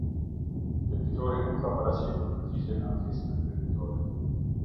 Debitori nuk ka paraqitur përgjigje në ankesën e kreditorit.